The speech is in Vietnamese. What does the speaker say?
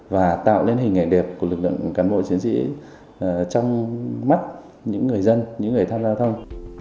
và tạo nên hình ảnh đẹp của lực lượng cán bộ chiến sĩ trong mắt những người dân những người tham gia giao thông